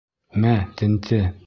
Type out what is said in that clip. Мә, тенте!